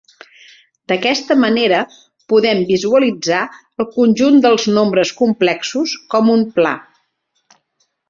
D'aquesta manera podem visualitzar el conjunt dels nombres complexos com un pla.